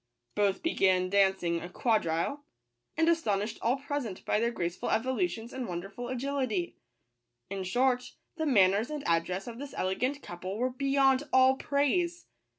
Both began dancing a quad rille, and astonished all present by their grace ful evolutions and wonderful agility. In short, the manners and address of this elegant couple were beyond all praise.